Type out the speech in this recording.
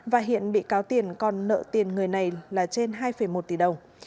và hiện bị cáo tiền còn nợ tiền người này là trên hai một tỷ đồng